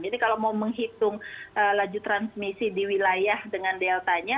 jadi kalau mau menghitung laju transmisi di wilayah dengan deltanya